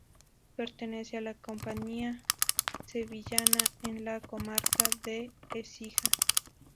Pertenece a la La Campiña sevillana, en la comarca de Écija.